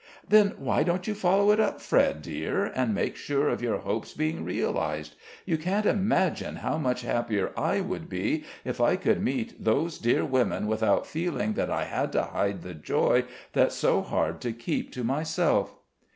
"Then why don't you follow it up, Fred, dear, and make sure of your hopes being realized? You can't imagine how much happier I would be if I could meet those dear women without feeling that I had to hide the joy that's so hard to keep to myself."